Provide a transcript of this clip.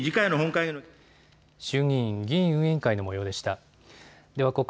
衆議院議院運営委員会のもようでした。